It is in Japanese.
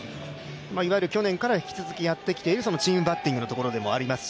去年から引き続きやってきているチームバッティングのところでもありますし。